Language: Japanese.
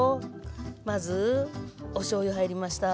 まずおしょうゆ入りました。